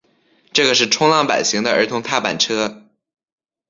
这个是冲浪板型的儿童踏板车。